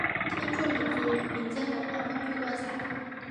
天柱民族民间文化丰富多彩。